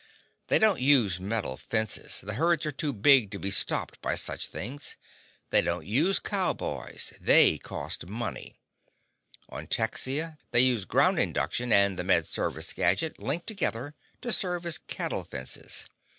They don't use metal fences—the herds are too big to be stopped by such things. They don't use cowboys—they cost money. On Texia they use ground induction and the Med Service gadget linked together to serve as cattle fences.